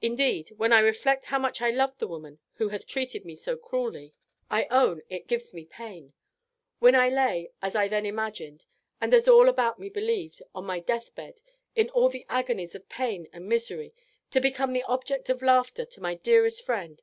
Indeed, when I reflect how much I loved the woman who hath treated me so cruelly, I own it gives me pain when I lay, as I then imagined, and as all about me believed, on my deathbed, in all the agonies of pain and misery, to become the object of laughter to my dearest friend.